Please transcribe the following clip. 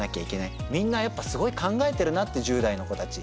みんなやっぱすごい考えてるなって１０代の子たち。